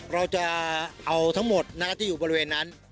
เราจะเอาทั้งหมดที่อยู่บริเวณนั้น